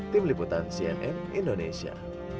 tim liputan cnn indonesia